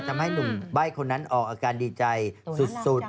ทำให้หนุ่มใบ้คนนั้นออกอาการดีใจสุด